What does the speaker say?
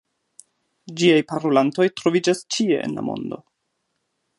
Ĝiaj parolantoj troviĝas ĉie en la mondo.